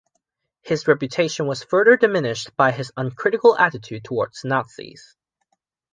His reputation was further diminished by his uncritical attitude toward the Nazis.